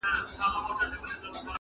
قاسمیار په زنځیر بند تړلی خوښ یم ،